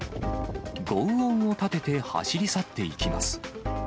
ごう音を立てて走り去っていきます。